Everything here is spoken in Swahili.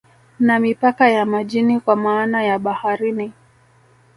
Na mipaka ya majini kwa maana ya baharini